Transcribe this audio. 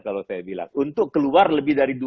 kalau saya bilang untuk keluar lebih dari